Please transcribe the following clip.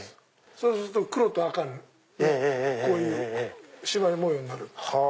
そうすると黒と赤のこういうしま模様になるんです。